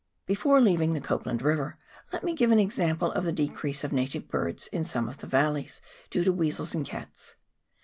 Before leaving the Copland River, let me give an example of the decrease of native birds in some of the valleys, due to weasels and cats.